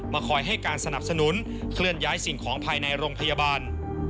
คอยให้การสนับสนุนเคลื่อนย้ายสิ่งของภายในโรงพยาบาล